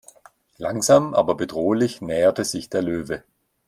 Langsam aber bedrohlich näherte sich der Löwe.